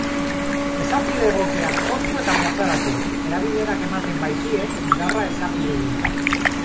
Esapide egokiak sortu eta plazaratu, erabilerak ematen baitie indarra esapideei.